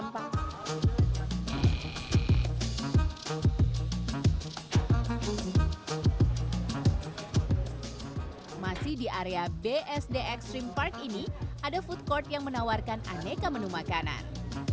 masih di area bsd extreme park ini ada food court yang menawarkan aneka menu makanan